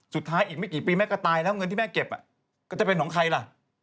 สุดท้ายอีกไม่กี่ปีแม่ก็ตายแล้วเงินที่แม่เก็บก็จะเป็นของใครล่ะ